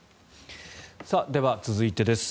では、続いてです。